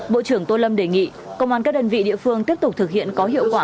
bộ trưởng tô lâm đề nghị công an các đơn vị địa phương tiếp tục thực hiện có hiệu quả